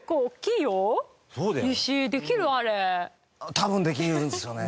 多分できるんですよね。